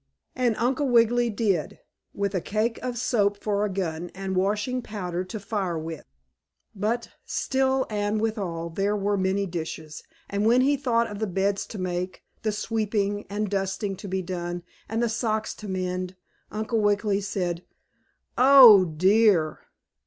And Uncle Wiggily did, with a cake of soap for a gun and washing powder to fire with. But, still and with all, there were many dishes, and when he thought of the beds to make, the sweeping and dusting to be done and the socks to mend, Uncle Wiggily said: "Oh, dear!"